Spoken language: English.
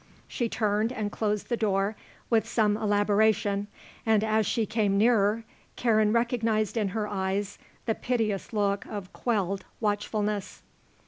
She turned and closed the door with some elaboration, and as she came nearer Karen recognized in her eyes the piteous look of quelled watchfulness.